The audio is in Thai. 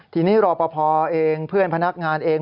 ทีนี้รอปภเองเพื่อนพนักงานเอง